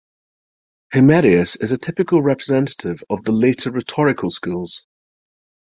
Himerius is a typical representative of the later rhetorical schools.